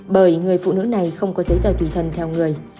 bởi người phụ nữ này không có giấy tờ tùy thân theo người